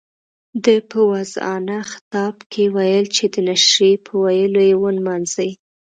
ده په واعظانه خطاب کې ویل چې د نشرې په ويلو یې ونمانځئ.